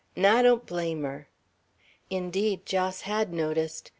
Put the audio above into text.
'N' I don't blame her." Indeed, Jos had noticed.